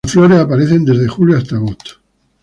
Las flores aparecen desde julio hasta agosto.